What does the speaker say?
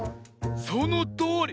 そのとおり！